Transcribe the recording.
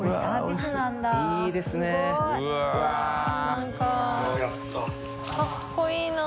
何かかっこいいな。